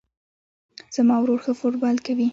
زما ورور ښه فوټبال کوی